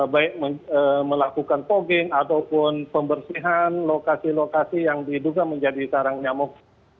baik melakukan pogging ataupun pembersihan lokasi lokasi yang diduga menjadi karang nyamuk